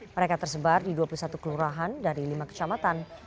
mereka tersebar di dua puluh satu kelurahan dari lima kecamatan